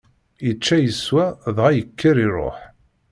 Ičča, iswa, dɣa yekker iṛuḥ.